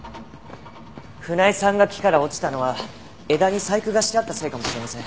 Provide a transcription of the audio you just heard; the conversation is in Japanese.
船井さんが木から落ちたのは枝に細工がしてあったせいかもしれません。